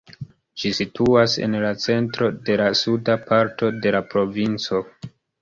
Ĝi situas en la centro de la suda parto de la provinco.